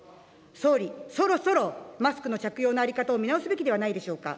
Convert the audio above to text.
総理、そろそろマスクの着用の在り方を見直すべきではないでしょうか。